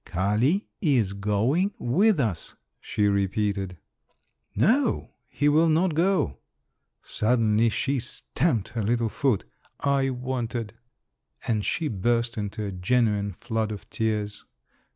"Kali is going with us," she repeated. "No, he will not go." Suddenly she stamped her little foot. "I want it." And she burst into a genuine flood of tears.